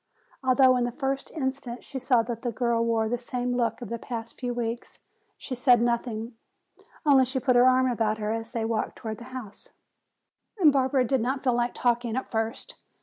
Although in the first instant she saw that the girl wore the same look of the past few weeks, she said nothing. Only she put her arm about her as they walked toward the house. Barbara did not feel like talking at first.